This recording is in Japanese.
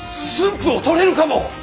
府を取れるかも！